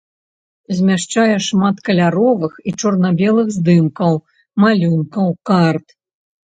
Змяшчае шмат каляровых і чорна-белых здымкаў, малюнкаў, карт.